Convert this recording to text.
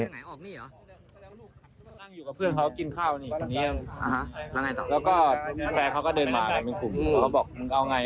นั่งอยู่กับเพื่อนเขากินข้าวหนีอย่างนี้